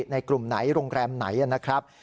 ในกลุ่มไหนโรงแรมไหนนะครับ